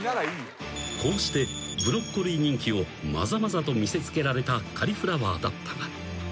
［こうしてブロッコリー人気をまざまざと見せつけられたカリフラワーだったが］